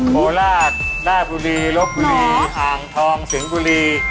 โคราชหน้าบุรีลบบุรีอ่างทองสิงห์บุรี